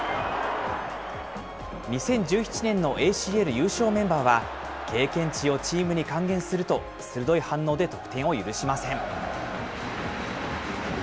２０１７年のＡＣＬ優勝メンバーは、経験値をチームに還元すると、鋭い反応で得点を許しません。